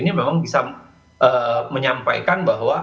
ini memang bisa menyampaikan bahwa